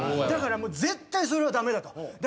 だからもう絶対それは駄目だと。